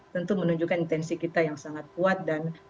tentu menunjukkan intensi kita yang sangat kuat dan